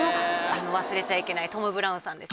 忘れちゃいけないトム・ブラウンさんです。